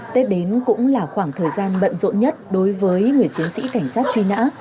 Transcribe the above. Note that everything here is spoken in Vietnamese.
tết đến cũng là khoảng thời gian bận rộn nhất đối với người chiến sĩ cảnh sát truy nã